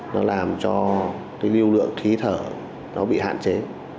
nó làm cho lưu lượng khí thở bị hạn chế